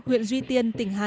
huyện duy tiên tỉnh hà nội